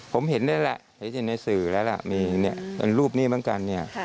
ผมเห็นได้แหละในสื่อแล้วล่ะมีรูปนี้เหมือนกันเนี่ย